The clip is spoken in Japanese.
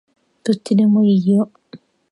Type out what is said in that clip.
どっちでもいいよ